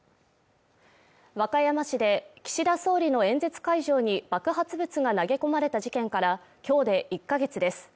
和歌山市で岸田総理の演説会場に爆発物が投げ込まれた事件から今日で１か月です。